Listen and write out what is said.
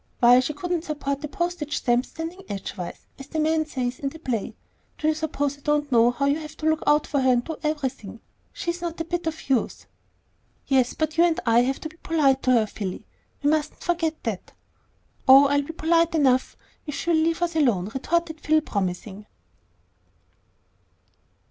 Why she couldn't support a postage stamp standing edgewise, as the man says in the play. Do you suppose I don't know how you have to look out for her and do everything? She's not a bit of use." "Yes; but you and I have got to be polite to her, Philly. We mustn't forget that." "Oh, I'll be polite enough, if she will just leave us alone," retorted Phil. Promising!